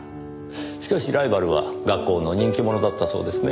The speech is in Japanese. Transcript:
しかしライバルは学校の人気者だったそうですね。